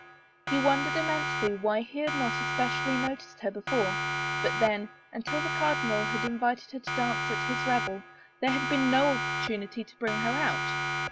He wondered immensely why he had not more espe cially noticed her before — but then, until the cardinal had invited her to dance at his revel, there had been no opportunity to bring her out.